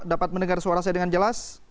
dapat mendengar suara saya dengan jelas